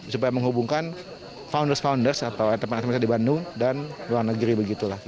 supaya menghubungkan founders founders atau entepan entepan di bandung dan luar negeri begitu lah